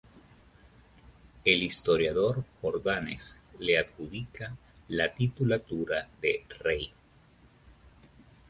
El historiador Jordanes le adjudica la titulatura de "rey".